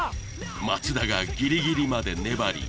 松田がギリギリまで粘り